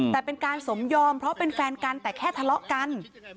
แต่แค่ทะเลาะกัน